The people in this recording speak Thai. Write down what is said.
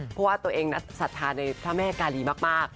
เพราะว่าตัวเองศรัทธาในพระแม่กาลีมาก